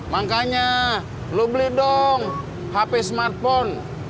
makanya lo beli dong hp smartphone